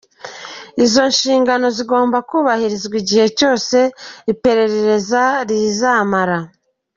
Izo nshingano zigomba kubahirizwa igihe cyose iperereza rizamara.